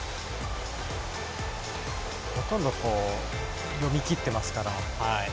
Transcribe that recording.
ほとんど読み切ってますから。